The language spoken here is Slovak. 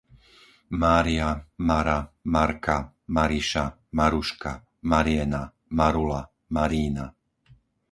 Mária, Mara, Marka, Mariša, Maruška, Mariena, Marula, Marína